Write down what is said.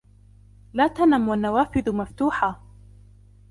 لا تنم والنوافذ مفتوحة.